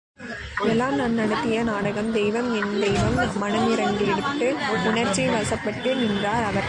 எல்லாம் நான் நடத்திய நாடகம்... தெய்வம்... என் தெய்வம் மனமிரங்கிட்டுது! உணர்ச்சி வசப்பட்டு நின்றார் அவர்.